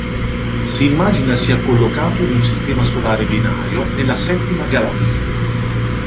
Si immagina sia collocato in un sistema solare binario nella Settima Galassia.